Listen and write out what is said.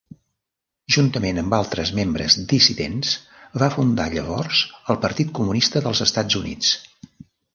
Juntament amb altres membres dissidents, va fundar llavors el Partit Comunista dels Estats Units.